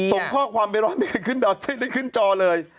ส่งข้อความไปวาดไม่ได้ขึ้นจอเลย